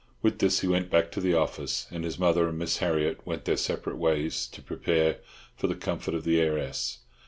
With this he went back to the office, and his mother and Miss Harriott went their separate ways to prepare for the comfort of the heiress.